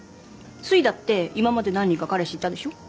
すいだって今まで何人か彼氏いたでしょ？